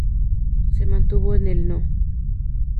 Se mantuvo en el No.